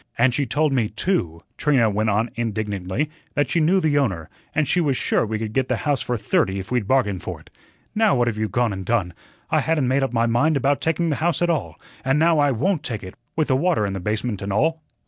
And she told me, too," Trina went on indignantly, "that she knew the owner, and she was sure we could get the house for thirty if we'd bargain for it. Now what have you gone and done? I hadn't made up my mind about taking the house at all. And now I WON'T take it, with the water in the basement and all."